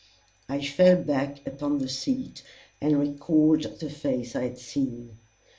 I fell back upon the seat and recalled the face I had seen.